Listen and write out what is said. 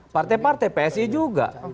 partai partai psi juga